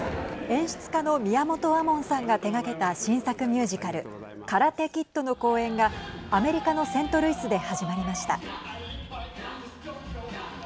演出家の宮本亞門さんが手がけた新作ミュージカルカラテ・キッドの公演がアメリカのセントルイスで始まりました。